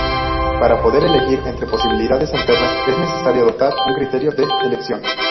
Para poder elegir entre posibilidades alternativas es necesario adoptar un criterio de elección.